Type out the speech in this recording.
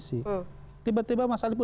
kita tiba tiba mulai biasa